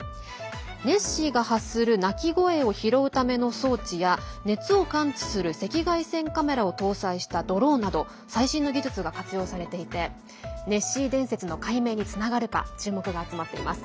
ネッシーが発する鳴き声を拾うための装置や熱を感知する赤外線カメラを搭載したドローンなど最新の技術が活用されていてネッシー伝説の解明につながるか注目が集まっています。